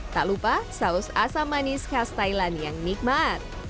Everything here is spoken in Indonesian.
tak lupa saus asam manis khas thailand yang nikmat